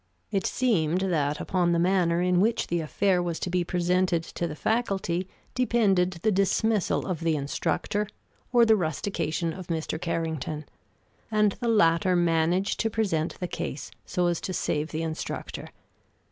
It seemed that upon the manner in which the affair was to be presented to the Faculty depended the dismissal of the instructor or the rustication of Mr. Carrington; and the latter managed to present the case so as to save the instructor.